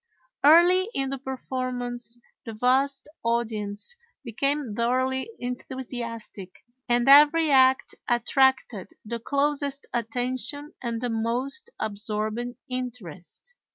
Early in the performance the vast audience became thoroughly enthusiastic, and every act attracted the closest attention and the most absorbing interest.